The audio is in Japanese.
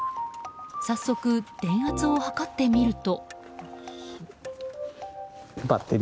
早速、電圧を測ってみると。